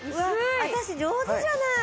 私上手じゃない！